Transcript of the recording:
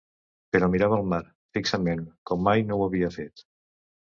Però mirava el mar, fixament, com mai no ho havia fet.